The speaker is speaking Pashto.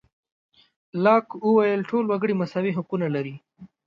لاک وویل ټول وګړي مساوي حقونه لري.